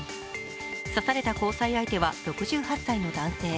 刺された交際相手は６８歳の男性。